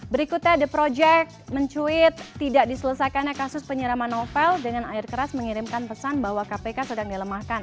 berikutnya the project mencuit tidak diselesaikannya kasus penyeraman novel dengan air keras mengirimkan pesan bahwa kpk sedang dilemahkan